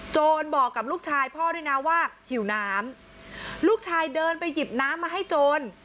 บอกกับลูกชายพ่อด้วยนะว่าหิวน้ำลูกชายเดินไปหยิบน้ำมาให้โจร